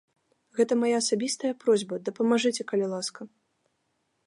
Гэта мая асабістая просьба, дапамажыце, калі ласка.